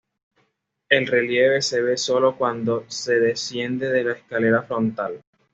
El relieve se ve sólo cuando se desciende de la escalera frontal.